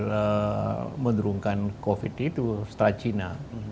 hal menurunkan covid sembilan belas itu setelah cina